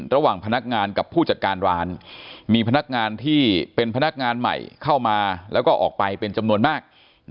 ระหว่างพนักงานกับผู้จัดการร้านมีพนักงานที่เป็นพนักงานใหม่เข้ามาแล้วก็ออกไปเป็นจำนวนมาก